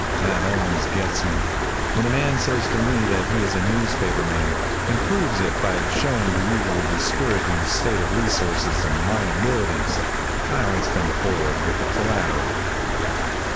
That always gets me. When a man says to me that he is a newspaper man, and proves it by showing the usual discouraging state of resources and liabilities, I always come forward with the collateral.